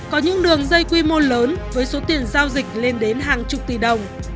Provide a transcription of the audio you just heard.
có những đường dây quy mô lớn với số tiền giao dịch lên đến hàng chục tỷ đồng